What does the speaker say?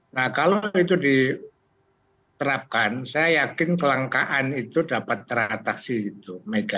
nah kalau itu diterapkan saya yakin kelangkaan itu dapat teratasi gitu